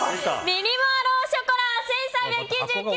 ミニモアローショコラ１３９９円です。